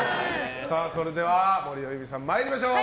それでは森尾由美さん参りましょう。